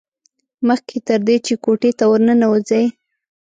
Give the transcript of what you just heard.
مخکې تر دې چې کوټې ته ور ننوځي.